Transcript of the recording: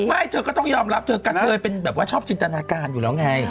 ไม่เธอก็ต้องยอมรับเธอกระเทยเป็นแบบว่าชอบจินตนาการอยู่แล้วไง